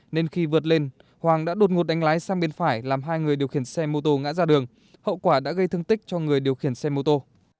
nên khi vượt lên hoàng đã đột ngột đánh lái sang bên phải làm hai người điều khiển xe mô tô ngã ra đường hậu quả đã gây thương tích cho người điều khiển xe mô tô